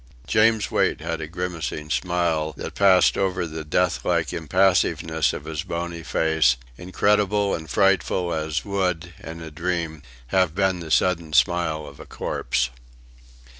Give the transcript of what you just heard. James Wait had a grimacing smile that passed over the deathlike impassiveness of his bony face, incredible and frightful as would, in a dream, have been the sudden smile of a corpse.